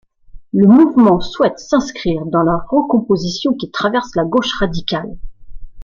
Le mouvement souhaite s'inscrire dans la recomposition qui traverse la gauche radicale.